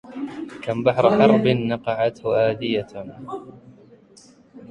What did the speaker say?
كم بحر حرب نقعه آذيه